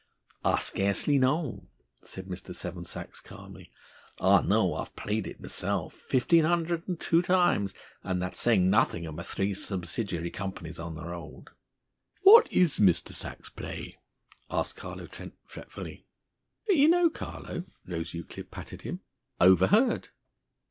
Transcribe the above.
"I scarcely know," said Mr. Seven Sachs calmly. "I know I've played it myself fifteen hundred and two times, and that's saying nothing of my three subsidiary companies on the road." "What is Mr. Sach's play?" asked Carlo Trent fretfully. "Don't you know, Carlo?" Rose Euclid patted him. "'Overheard.